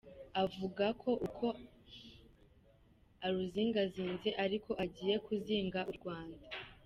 Avuga ko uko aruzingazinze ariko agiye kuzinga u Rwanda.